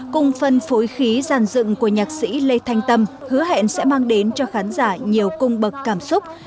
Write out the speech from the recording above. cùng phân phối khí giàn dựng của nhạc sĩ lê thanh tâm hứa hẹn sẽ mang đến cho khán giả nhiều cung bậc cảm xúc